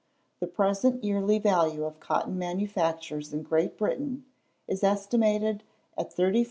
The present yearly value of cotton manufactures in Great Britain is estimated at £34,000,000.